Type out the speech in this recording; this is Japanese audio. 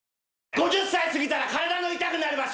５０歳過ぎたら体の痛くなる場所！